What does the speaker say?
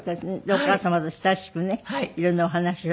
お母様と親しくねいろんなお話ができる。